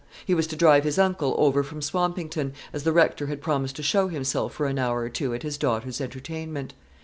He was to drive his uncle over from Swampington, as the Rector had promised to show himself for an hour or two at his daughter's entertainment.